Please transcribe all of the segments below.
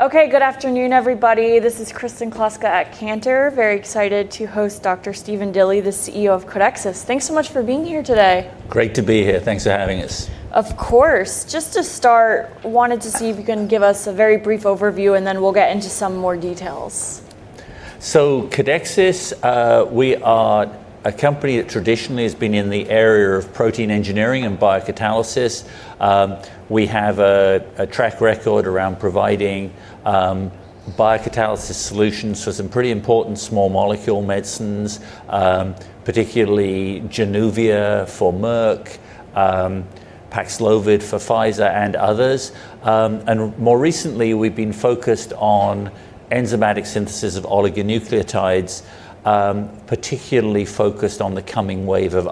Okay, good afternoon, everybody. This is Kristen Klaska at Kantar. Very excited to host Dr. Stephen Dilly, the CEO of Codexis. Thanks so much for being here today. Great to be here. Thanks for having us. Of course. Just to start, I wanted to see if you can give us a very brief overview, and then we'll get into some more details. Codexis is a company that traditionally has been in the area of protein engineering and biocatalysis. We have a track record around providing biocatalysis solutions for some pretty important small molecule medicines, particularly Januvia for Merck, Paxlovid for Pfizer, and others. More recently, we've been focused on enzymatic synthesis of oligonucleotides, particularly focused on the coming wave of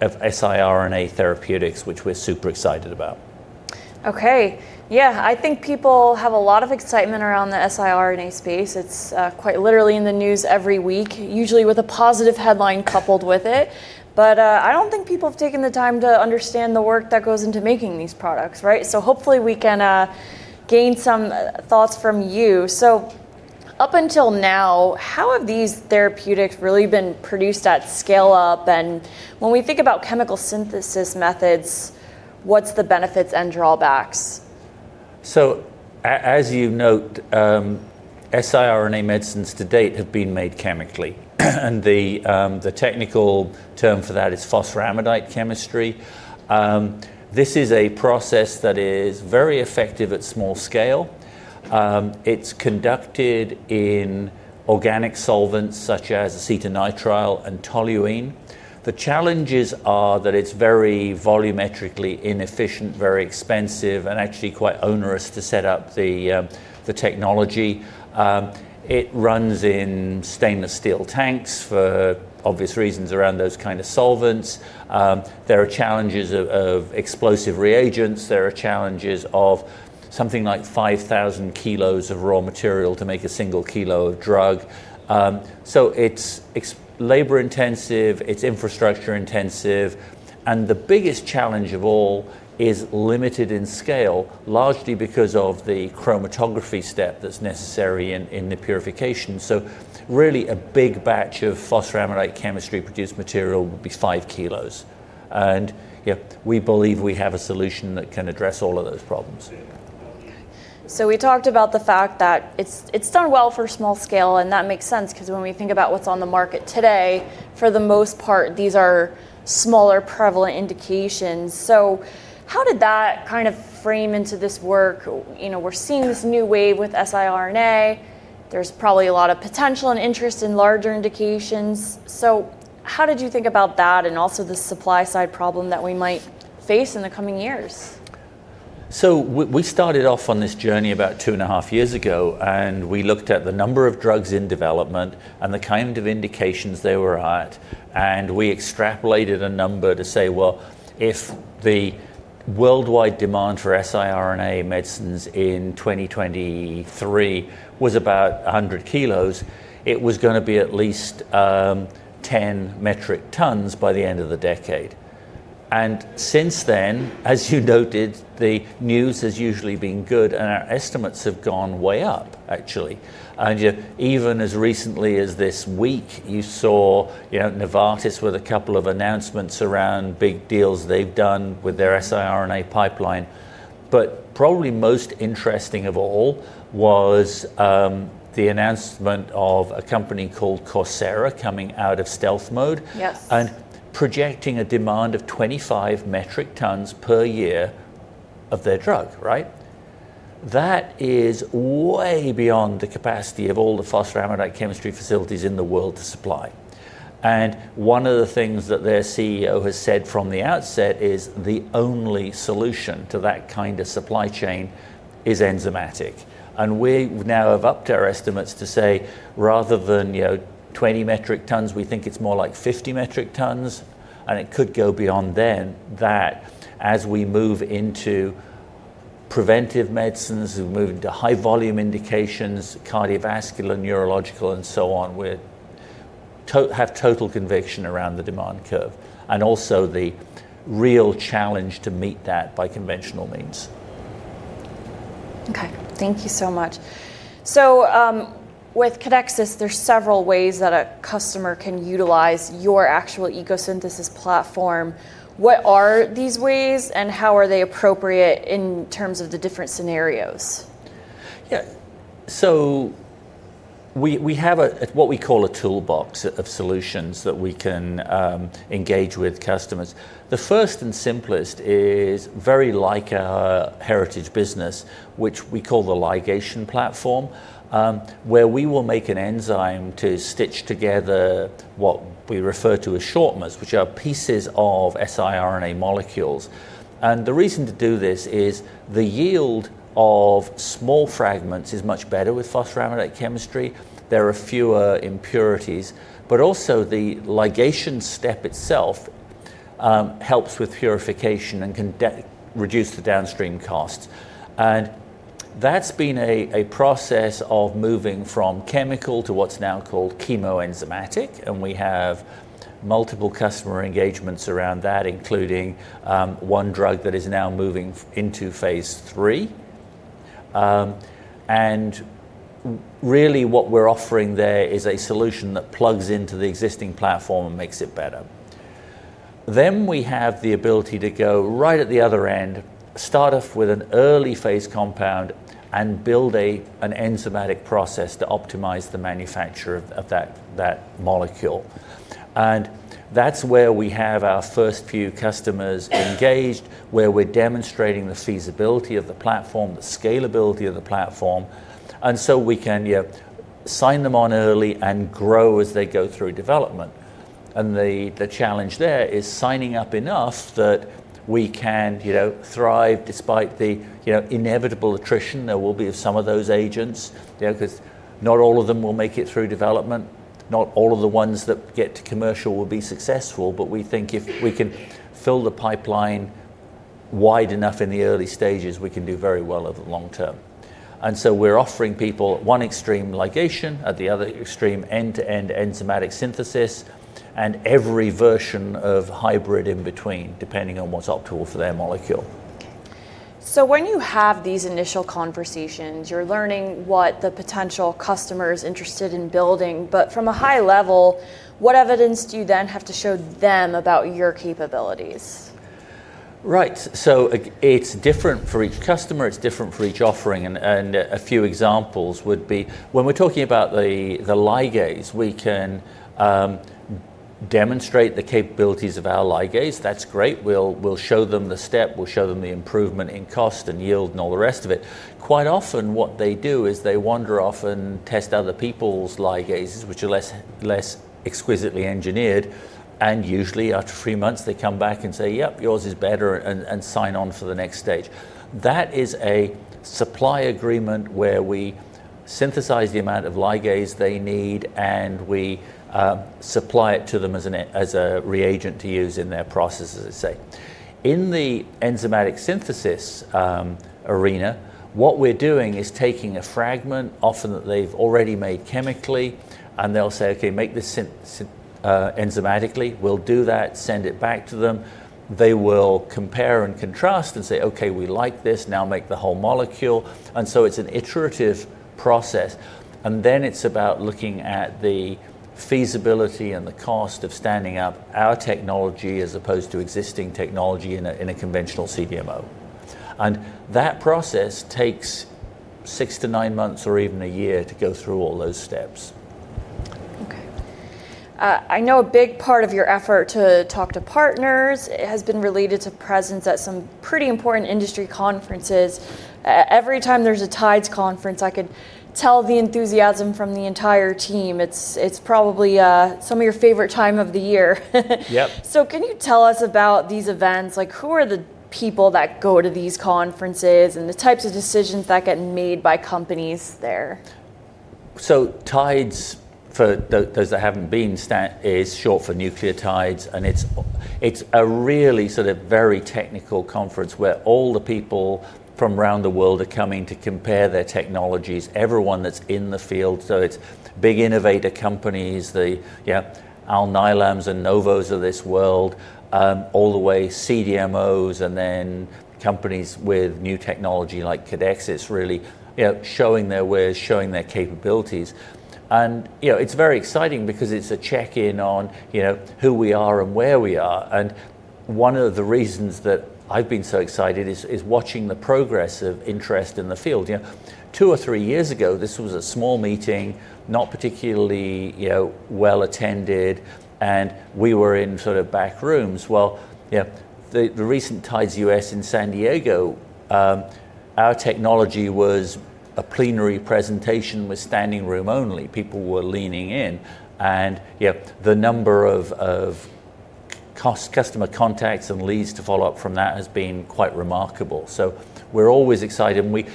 siRNA therapeutics, which we're super excited about. Okay. Yeah, I think people have a lot of excitement around the siRNA space. It's quite literally in the news every week, usually with a positive headline coupled with it. I don't think people have taken the time to understand the work that goes into making these products, right? Hopefully we can gain some thoughts from you. Up until now, how have these therapeutics really been produced at scale up? When we think about chemical synthesis methods, what's the benefits and drawbacks? As you note, siRNA medicines to date have been made chemically, and the technical term for that is phosphoramidite chemistry. This is a process that is very effective at small scale. It's conducted in organic solvents such as acetonitrile and toluene. The challenges are that it's very volumetrically inefficient, very expensive, and actually quite onerous to set up the technology. It runs in stainless steel tanks for obvious reasons around those kinds of solvents. There are challenges of explosive reagents. There are challenges of something like 5,000 kilos of raw material to make a single kilo of drug. It's labor- intensive, it's infrastructure intensive, and the biggest challenge of all is limited in scale, largely because of the chromatography step that's necessary in the purification. A big batch of phosphoramidite chemistry produced material would be five kilos. We believe we have a solution that can address all of those problems. We talked about the fact that it's done well for small scale, and that makes sense because when we think about what's on the market today, for the most part, these are smaller prevalent indications. How did that kind of frame into this work? You know, we're seeing this new wave with siRNA. There's probably a lot of potential and interest in larger indications. How did you think about that and also the supply side problem that we might face in the coming years? We started off on this journey about two and a half years ago, and we looked at the number of drugs in development and the kind of indications they were at. We extrapolated a number to say, if the worldwide demand for siRNA medicines in 2023 was about 100 kilos, it was going to be at least 10 metric tons by the end of the decade. Since then, as you noted, the news has usually been good, and our estimates have gone way up, actually. Even as recently as this week, you saw Novartis with a couple of announcements around big deals they've done with their siRNA pipeline. Probably most interesting of all was the announcement of a company called CureVac coming out of stealth mode and projecting a demand of 25 metric tons per year of their drug, right? That is way beyond the capacity of all the phosphoramidite chemistry facilities in the world to supply. One of the things that their CEO has said from the outset is the only solution to that kind of supply chain is enzymatic. We now have upped our estimates to say, rather than 20 metric tons, we think it's more like 50 metric tons. It could go beyond that as we move into preventive medicines, we move into high volume indications, cardiovascular, neurological, and so on. We have total conviction around the demand curve and also the real challenge to meet that by conventional means. Okay, thank you so much. With Codexis, there's several ways that a customer can utilize your actual ECO Synthesis™ platform. What are these ways and how are they appropriate in terms of the different scenarios? Yeah, so we have what we call a toolbox of solutions that we can engage with customers. The first and simplest is very like our heritage business, which we call the ligation platform, where we will make an enzyme to stitch together what we refer to as shortmers, which are pieces of siRNA molecules. The reason to do this is the yield of small fragments is much better with phosphoramidite chemistry. There are fewer impurities, but also the ligation step itself helps with purification and can reduce the downstream costs. That has been a process of moving from chemical to what's now called chemoenzymatic. We have multiple customer engagements around that, including one drug that is now moving into phase 3. What we're offering there is a solution that plugs into the existing platform and makes it better. We have the ability to go right at the other end, start off with an early phase compound, and build an enzymatic process to optimize the manufacture of that molecule. That's where we have our first few customers engaged, where we're demonstrating the feasibility of the platform and the scalability of the platform. We can sign them on early and grow as they go through development. The challenge there is signing up enough that we can thrive despite the inevitable attrition. There will be some of those agents, because not all of them will make it through development. Not all of the ones that get to commercial will be successful. We think if we can fill the pipeline wide enough in the early stages, we can do very well over the long- term. We're offering people at one extreme ligation, at the other extreme end-to-end enzymatic synthesis, and every version of hybrid in between, depending on what's optimal for their molecule. When you have these initial conversations, you're learning what the potential customer is interested in building. From a high level, what evidence do you then have to show them about your capabilities? Right. It's different for each customer. It's different for each offering. A few examples would be when we're talking about the ligase. We can demonstrate the capabilities of our ligase. That's great. We'll show them the step, we'll show them the improvement in cost and yield and all the rest of it. Quite often what they do is they wander off and test other people's ligases, which are less exquisitely engineered. Usually after three months, they come back and say, yep, yours is better and sign on for the next stage. That is a supply agreement where we synthesize the amount of ligase they need and we supply it to them as a reagent to use in their process, as I say. In the enzymatic synthesis arena, what we're doing is taking a fragment often that they've already made chemically, and they'll say, okay, make this enzymatically. We'll do that, send it back to them. They will compare and contrast and say, okay, we like this, now make the whole molecule. It's an iterative process. It's about looking at the feasibility and the cost of standing up our technology as opposed to existing technology in a conventional CDMO. That process takes six to nine months or even a year to go through all those steps. Okay. I know a big part of your effort to talk to partners has been related to presence at some pretty important industry conferences. Every time there's a Tides conference, I could tell the enthusiasm from the entire team. It's probably some of your favorite time of the year. Yep. Can you tell us about these events? Who are the people that go to these conferences and the types of decisions that get made by companies there? Tides, for those that haven't been, is short for Nucleotides. It's a really very technical conference where all the people from around the world are coming to compare their technologies, everyone that's in the field. It's big innovator companies, the, yeah, Alnylams and Novartis of this world, all the way to CDMOs and then companies with new technology like Codexis really showing their wares, showing their capabilities. It's very exciting because it's a check-in on who we are and where we are. One of the reasons that I've been so excited is watching the progress of interest in the field. Two or three years ago, this was a small meeting, not particularly well attended, and we were in back rooms. The recent Tides U.S., in San Diego, our technology was a plenary presentation with standing room only. People were leaning in. The number of customer contacts and leads to follow up from that has been quite remarkable. We're always excited, and we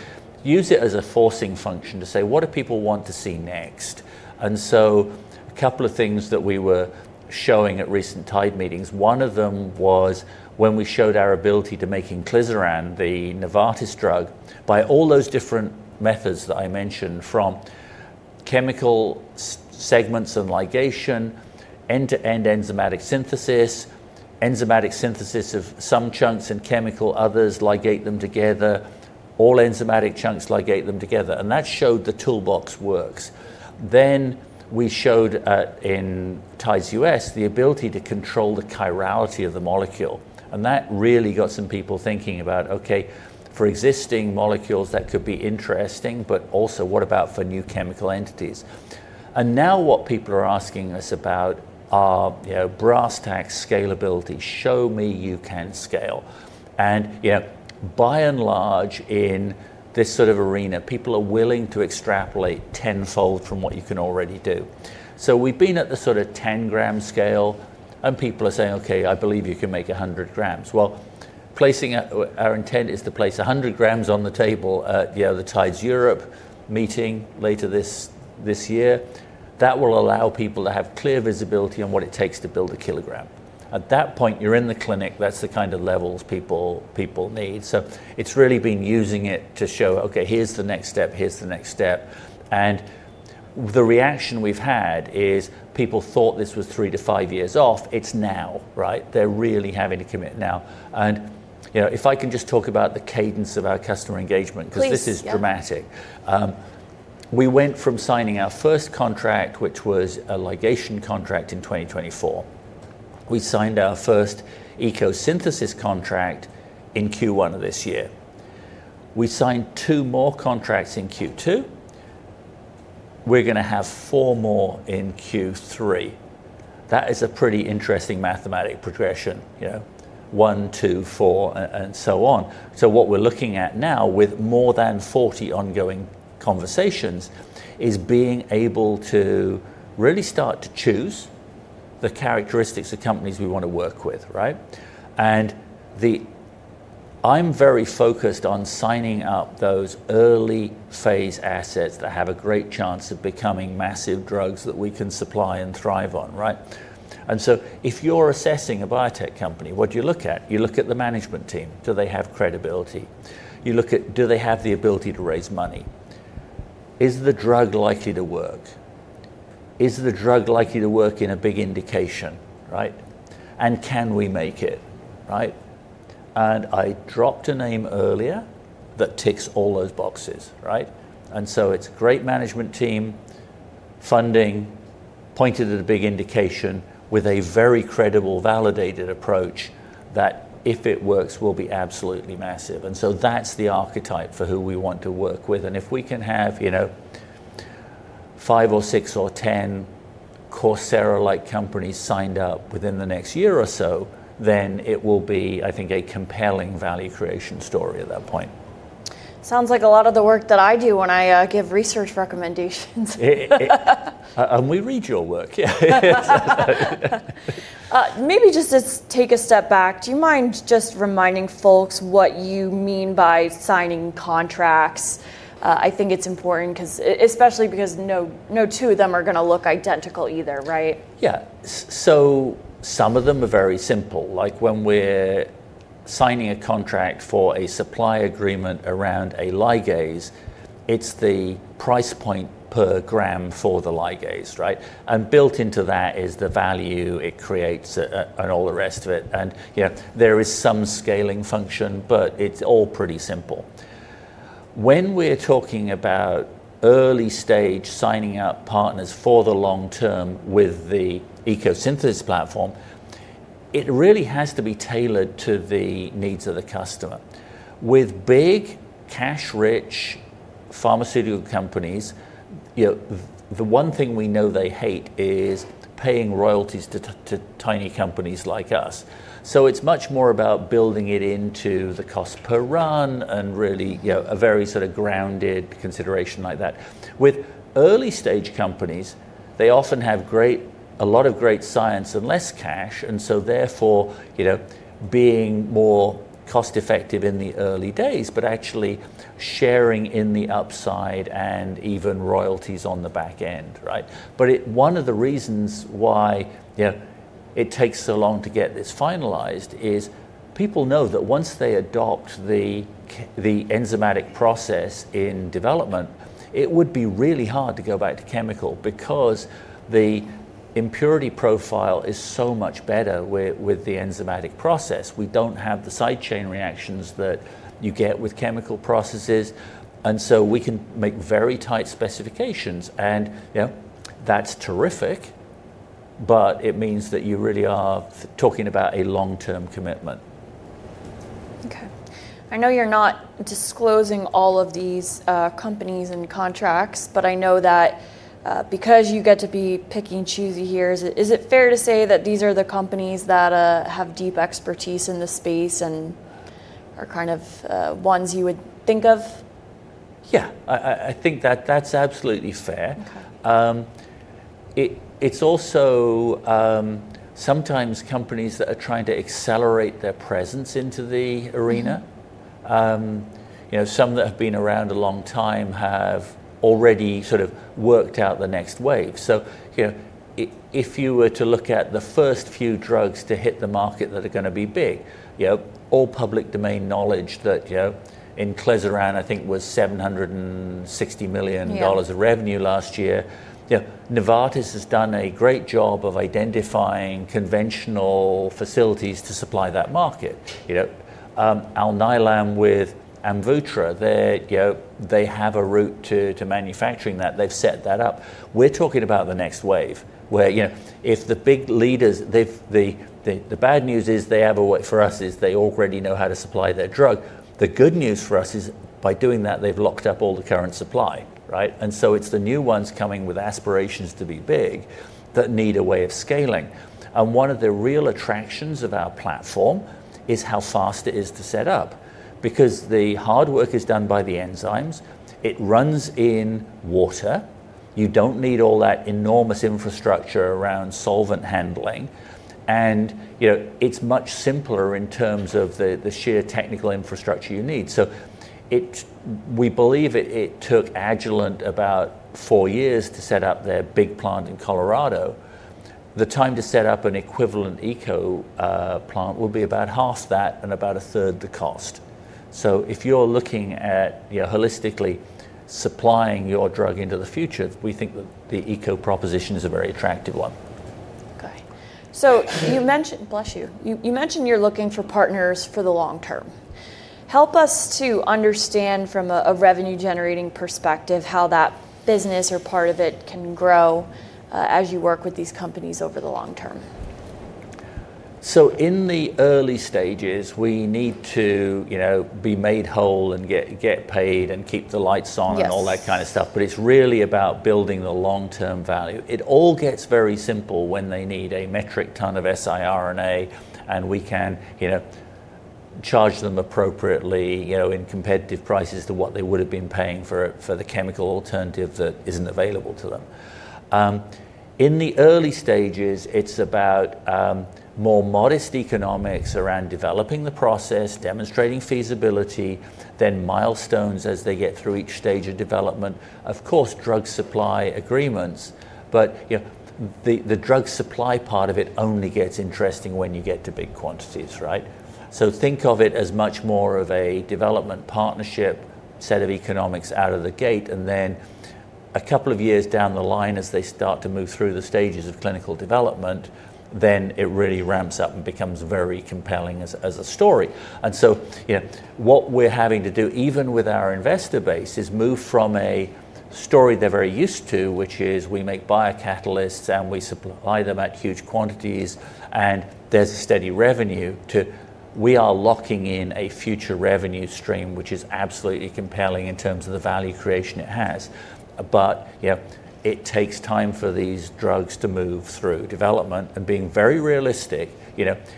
use it as a forcing function to say, what do people want to see next? A couple of things that we were showing at recent Tides meetings, one of them was when we showed our ability to make Inclisiran, the Novartis drug, by all those different methods that I mentioned, from chemical segments and ligation, end-to-end enzymatic synthesis, enzymatic synthesis of some chunks and chemical, others ligate them together, all enzymatic chunks ligate them together. That showed the toolbox works. Then we showed in Tides U.S., the ability to control the chirality of the molecule. That really got some people thinking about, okay, for existing molecules that could be interesting, but also what about for new chemical entities? Now what people are asking us about are, brass tacks, scalability. Show me you can scale. By and large in this arena, people are willing to extrapolate tenfold from what you can already do. We've been at the 10 g scale, and people are saying, okay, I believe you can make 100 g. Our intent is to place 100 g on the table at the other Tides Europe meeting later this year. That will allow people to have clear visibility on what it takes to build a kilogram. At that point, you're in the clinic. That's the kind of levels people need. It's really been using it to show, okay, here's the next step, here's the next step. The reaction we've had is people thought this was three to five years off. It's now, right? They're really having to commit now. If I can just talk about the cadence of our customer engagement, because this is dramatic. We went from signing our first contract, which was a ligation contract in 2024. We signed our first ECO Synthesis contract in Q1 of this year. We signed two more contracts in Q2. We're going to have four more in Q3. That is a pretty interesting mathematic progression, you know, one, two, four, and so on. What we're looking at now with more than 40 ongoing conversations is being able to really start to choose the characteristics of companies we want to work with, right? I'm very focused on signing up those early phase assets that have a great chance of becoming massive drugs that we can supply and thrive on, right? If you're assessing a biotech company, what do you look at? You look at the management team. Do they have credibility? You look at, do they have the ability to raise money? Is the drug likely to work?`` Is the drug likely to work in a big indication, right? Can we make it, right? I dropped a name earlier that ticks all those boxes, right? It's a great management team, funding, pointed to the big indication with a very credible, validated approach that if it works, will be absolutely massive. That's the archetype for who we want to work with. If we can have, you know, five or six or ten CureVac-like companies signed up within the next year or so, it will be, I think, a compelling value creation story at that point. Sounds like a lot of the work that I do when I give research recommendations. We read your work. Yeah. Maybe just to take a step back, do you mind just reminding folks what you mean by signing contracts? I think it's important, especially because no two of them are going to look identical either, right? Yeah, some of them are very simple. Like when we're signing a contract for a supply agreement around a ligase, it's the price point per gram for the ligase, right? Built into that is the value it creates and all the rest of it. There is some scaling function, but it's all pretty simple. When we're talking about early stage signing up partners for the long- term with the ECO Synthesis platform, it really has to be tailored to the needs of the customer. With big cash-rich pharmaceutical companies, the one thing we know they hate is paying royalties to tiny companies like us. It's much more about building it into the cost per run and really a very sort of grounded consideration like that. With early stage companies, they often have a lot of great science and less cash. Therefore, being more cost-effective in the early days, but actually sharing in the upside and even royalties on the back end, right? One of the reasons why it takes so long to get this finalized is people know that once they adopt the enzymatic process in development, it would be really hard to go back to chemical because the impurity profile is so much better with the enzymatic process. We don't have the side chain reactions that you get with chemical processes, so we can make very tight specifications. That's terrific, but it means that you really are talking about a long-term commitment. Okay. I know you're not disclosing all of these companies and contracts, but I know that because you get to be picky and choosy here, is it fair to say that these are the companies that have deep expertise in the space and are kind of ones you would think of? Yeah, I think that that's absolutely fair. It's also sometimes companies that are trying to accelerate their presence into the arena. Some that have been around a long time have already sort of worked out the next wave. If you were to look at the first few drugs to hit the market that are going to be big, all public domain knowledge, Inclisiran I think was $760 million of revenue last year. Novartis has done a great job of identifying conventional facilities to supply that market. Alnylam with Amvotra, they have a route to manufacturing that. They've set that up. We're talking about the next wave where, if the big leaders, the bad news is they have a way for us is they already know how to supply their drug. The good news for us is by doing that, they've locked up all the current supply, right? It's the new ones coming with aspirations to be big that need a way of scaling. One of the real attractions of our platform is how fast it is to set up because the hard work is done by the enzymes. It runs in water. You don't need all that enormous infrastructure around solvent handling. It's much simpler in terms of the sheer technical infrastructure you need. We believe it took Agilent about four years to set up their big plant in Colorado. The time to set up an equivalent ECO plant will be about half that and about a third the cost. If you're looking at holistically supplying your drug into the future, we think that the ECO proposition is a very attractive one. Okay, you mentioned you're looking for partners for the long- term. Help us to understand from a revenue-generating perspective how that business or part of it can grow as you work with these companies over the long- term. In the early stages, we need to, you know, be made whole and get paid and keep the lights on and all that kind of stuff. It's really about building the long-term value. It all gets very simple when they need a metric ton of siRNA and we can, you know, charge them appropriately, you know, in competitive prices to what they would have been paying for the chemical alternative that isn't available to them. In the early stages, it's about more modest economics around developing the process, demonstrating feasibility, then milestones as they get through each stage of development. Of course, drug supply agreements, but the drug supply part of it only gets interesting when you get to big quantities, right? Think of it as much more of a development partnership set of economics out of the gate. A couple of years down the line, as they start to move through the stages of clinical development, then it really ramps up and becomes very compelling as a story. What we're having to do, even with our investor base, is move from a story they're very used to, which is we make biocatalysts and we supply them at huge quantities and there's a steady revenue, to we are locking in a future revenue stream, which is absolutely compelling in terms of the value creation it has. It takes time for these drugs to move through development and being very realistic.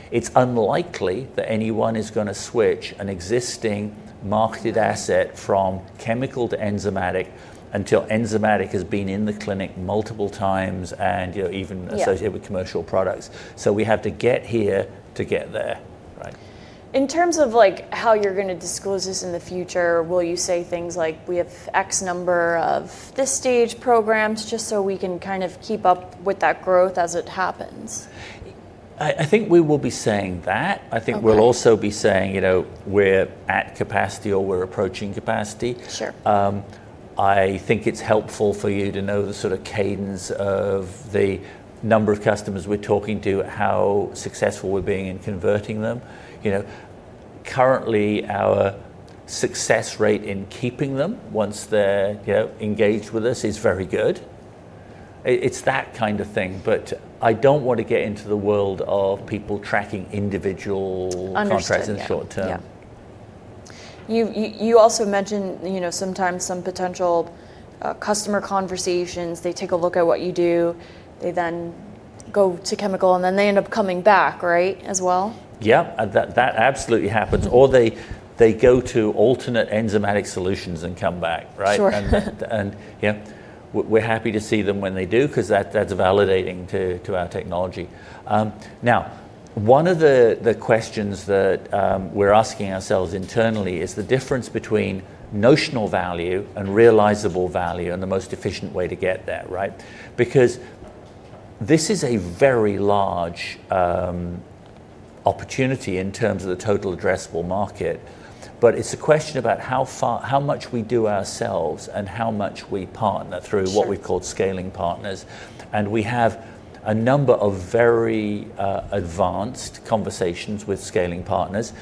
It's unlikely that anyone is going to switch an existing marketed asset from chemical to enzymatic until enzymatic has been in the clinic multiple times and, you know, even associated with commercial products. We have to get here to get there, right? In terms of how you're going to disclose this in the future, will you say things like we have X number of this stage programs just so we can kind of keep up with that growth as it happens? I think we will be saying that. I think we'll also be saying, you know, we're at capacity or we're approaching capacity. Sure. I think it's helpful for you to know the sort of cadence of the number of customers we're talking to, how successful we're being in converting them. Currently, our success rate in keeping them once they're engaged with us is very good. It's that kind of thing. I don't want to get into the world of people tracking individual contracts in the short- term. You also mentioned, you know, sometimes some potential customer conversations, they take a look at what you do, they then go to chemical, and then they end up coming back, right, as well? Yeah, that absolutely happens. Or they go to alternate enzymatic solutions and come back, right? Sure. We're happy to see them when they do because that's validating to our technology. One of the questions that we're asking ourselves internally is the difference between notional value and realizable value and the most efficient way to get there, right? This is a very large opportunity in terms of the total addressable market. It's a question about how much we do ourselves and how much we partner through what we've called scaling partners. We have a number of very advanced conversations with scaling partners.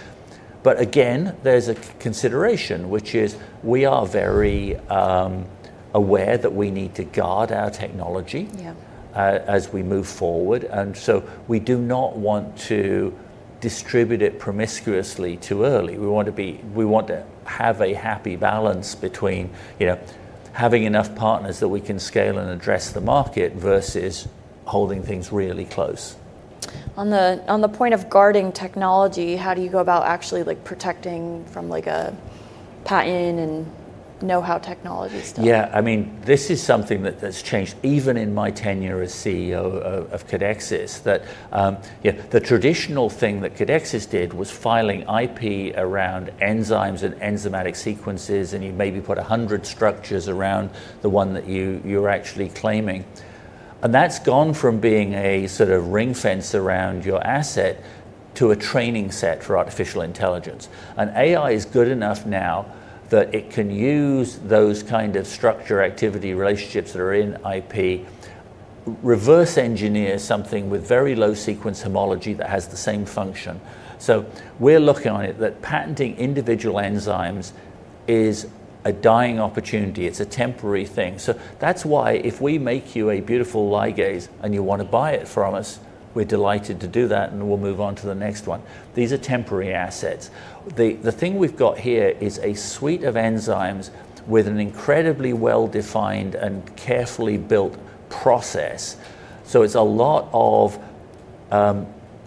There's a consideration, which is we are very aware that we need to guard our technology as we move forward. We do not want to distribute it promiscuously too early. We want to have a happy balance between having enough partners that we can scale and address the market versus holding things really close. On the point of guarding technology, how do you go about actually protecting from a patent and know-how technology stuff? Yeah, I mean, this is something that has changed even in my tenure as CEO of Codexis. The traditional thing that Codexis did was filing IP around enzymes and enzymatic sequences, and you maybe put 100 structures around the one that you're actually claiming. That has gone from being a sort of ring fence around your asset to a training set for artificial intelligence. AI is good enough now that it can use those kinds of structure activity relationships that are in IP, reverse engineer something with very low sequence homology that has the same function. We are looking at it that patenting individual enzymes is a dying opportunity. It's a temporary thing. If we make you a beautiful ligase and you want to buy it from us, we're delighted to do that and we'll move on to the next one. These are temporary assets. The thing we've got here is a suite of enzymes with an incredibly well-defined and carefully built process. It's a lot of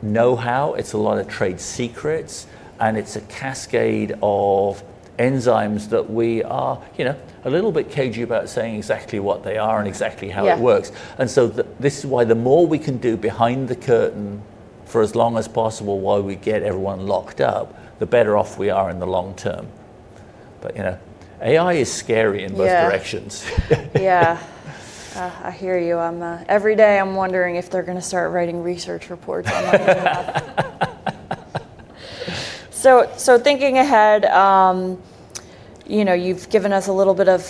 know-how, it's a lot of trade secrets, and it's a cascade of enzymes that we are, you know, a little bit cagey about saying exactly what they are and exactly how it works. This is why the more we can do behind the curtain for as long as possible, while we get everyone locked up, the better off we are in the long- term. You know, AI is scary in both directions. Yeah, I hear you. Every day I'm wondering if they're going to start writing research reports on that. Thinking ahead, you've given us a little bit of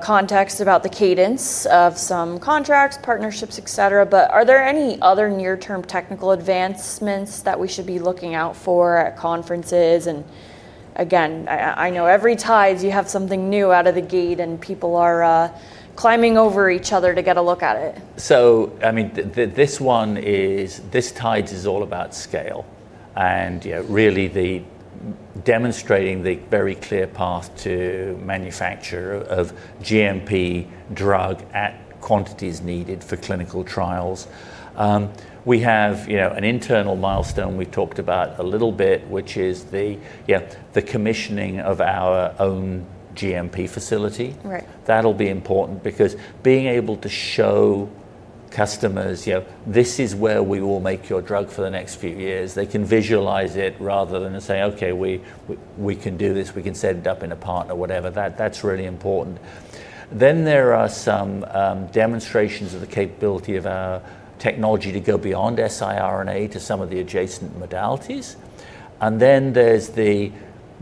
context about the cadence of some contracts, partnerships, etc. Are there any other near-term technical advancements that we should be looking out for at conferences? I know every Tides you have something new out of the gate and people are climbing over each other to get a look at it. This Tides is all about scale, and really demonstrating the very clear path to manufacture of GMP drug at quantities needed for clinical trials. We have an internal milestone we've talked about a little bit, which is the commissioning of our own GMP facility. That'll be important because being able to show customers, you know, this is where we will make your drug for the next few years. They can visualize it rather than say, okay, we can do this, we can set it up in a partner, whatever. That's really important. There are some demonstrations of the capability of our technology to go beyond siRNA to some of the adjacent modalities. There is the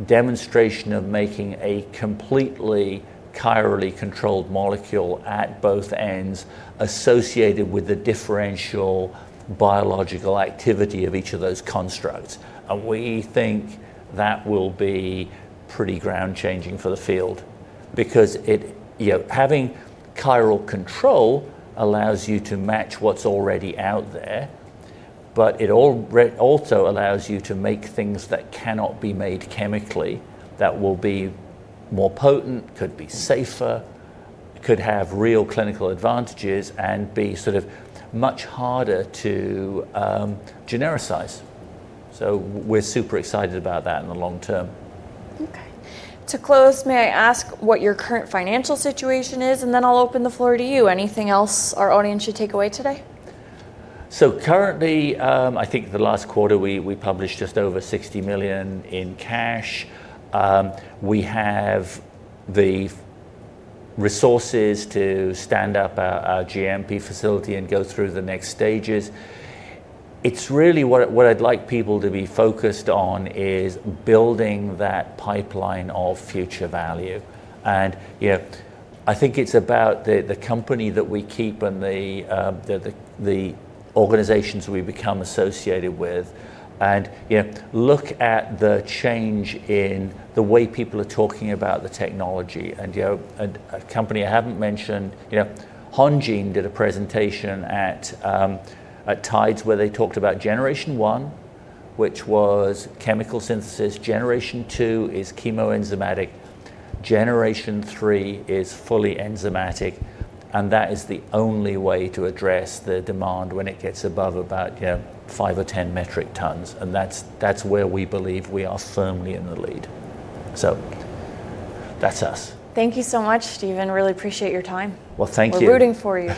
demonstration of making a completely chirally controlled molecule at both ends associated with the differential biological activity of each of those constructs. We think that will be pretty ground changing for the field because, you know, having chiral control allows you to match what's already out there. It also allows you to make things that cannot be made chemically that will be more potent, could be safer, could have real clinical advantages, and be sort of much harder to genericize. We're super excited about that in the long- term. Okay. To close, may I ask what your current financial situation is? I'll open the floor to you. Anything else our audience should take away today? Currently, I think the last quarter we published just over $60 million in cash. We have the resources to stand up our GMP facility and go through the next stages. What I'd like people to be focused on is building that pipeline of future value. I think it's about the company that we keep and the organizations we become associated with. Look at the change in the way people are talking about the technology. A company I haven't mentioned, Hongjin, did a presentation at Tides where they talked about Generation One, which was chemical synthesis. Generation Two is chemoenzymatic. Generation Three is fully enzymatic, and that is the only way to address the demand when it gets above about five or 10 metric tons. That's where we believe we are firmly in the lead. That's us. Thank you so much, Stephen. Really appreciate your time. Thank you. We're rooting for you.